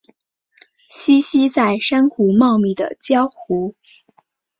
栖息在珊瑚茂密的礁湖。